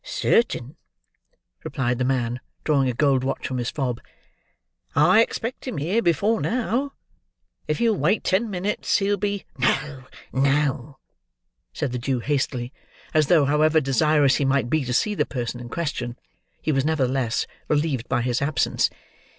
"Certain," replied the man, drawing a gold watch from his fob; "I expected him here before now. If you'll wait ten minutes, he'll be—" "No, no," said the Jew, hastily; as though, however desirous he might be to see the person in question, he was nevertheless relieved by his absence.